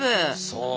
そう。